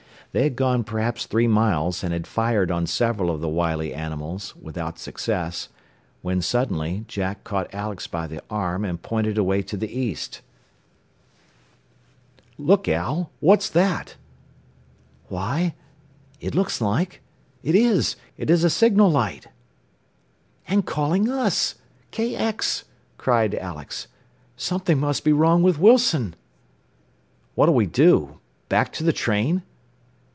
They had gone perhaps three miles, and had fired on several of the wily animals, without success, when suddenly Jack caught Alex by the arm and pointed away to the east. "Look, Al! What's that?" "Why, it looks like It is! It's a signal light! "And calling us KX!" cried Alex. "Something must be wrong with Wilson!" "What'll we do? Back to the train?"